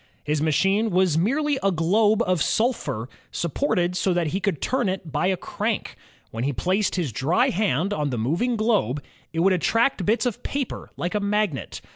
His machine was merely a globe of sulphur supported so that he could turn it by a crank. When he placed his dry hand on the moving globe, it would attract bits of paper like a magnet.